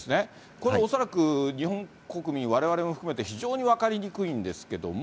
これ、恐らく、日本国民、われわれも含めて非常に分かりにくいんですけども、